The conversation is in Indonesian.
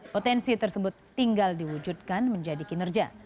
potensi tersebut tinggal diwujudkan menjadi kinerja